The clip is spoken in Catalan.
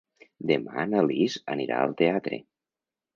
Demà na Lis anirà al teatre.